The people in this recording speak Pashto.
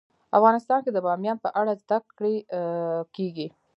افغانستان کې د بامیان په اړه زده کړه کېږي.